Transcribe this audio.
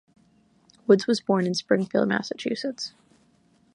Woods was born in Springfield, Massachusetts.